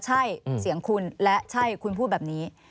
ใช่เสียงคุณและใช่คุณพูดแบบนี้